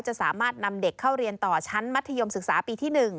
จะสามารถนำเด็กเข้าเรียนต่อชั้นมัธยมศึกษาปีที่๑